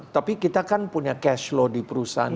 tapi kita kan punya cash flow di perusahaan